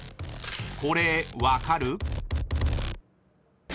［これ分かる？］